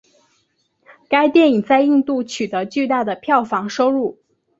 该电影在印度取得巨大的票房收入。